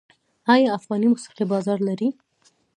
آیا افغاني موسیقي بازار لري؟